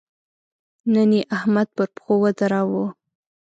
نن يې احمد پر پښو ودراوو.